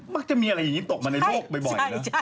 จะมีอะไรอย่างนี้ตกมาในโลกบ่อยนะ